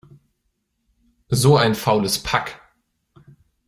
So ein faules Pack!